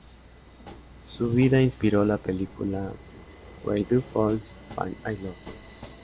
Su vida inspiró la película "Why Do Fools Fall In Love?